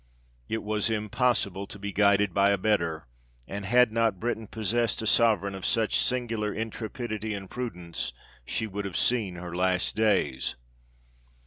It was impossible to be guided by a better ; and had not Britain possessed a Sovereign of such singular intrepidity and prudence, she would have seen her last days.